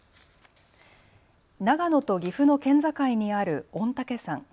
長野と岐阜の県境にある御嶽山。